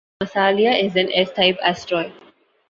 Massalia is an S-type asteroid.